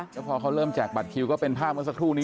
แล้วพอเขาเริ่มแจกบัตรคิวก็เป็นภาพเมื่อสักครู่นี้